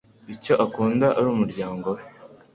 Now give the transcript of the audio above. icyo akunda ari umuryango we.